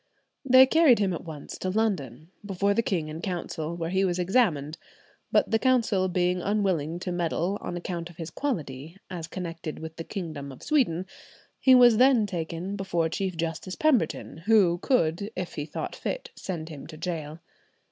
They carried him at once to London, before the king in Council, where he was examined, but the Council being unwilling to meddle on account of his quality, as connected with the kingdom of Sweden, he was then taken before Chief Justice Pemberton, who could, if he thought fit, send him to gaol.